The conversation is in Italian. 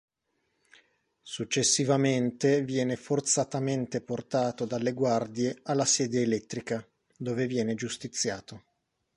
Successivamente, viene forzatamente portato dalle guardie alla sedia elettrica, dove viene giustiziato.